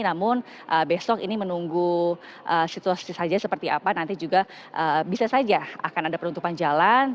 namun besok ini menunggu situasi saja seperti apa nanti juga bisa saja akan ada penutupan jalan